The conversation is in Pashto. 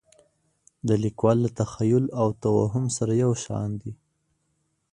د لیکوال له تخیل او توهم سره یو شان دي.